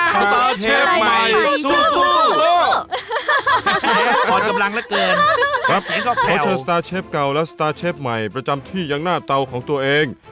เพราะเชิญสตาร์เชฟเก่าและสตาร์เชฟใหม่ประจำที่ยังหน้าต่อของตัวเอง